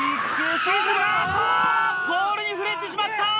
ポールに触れてしまった。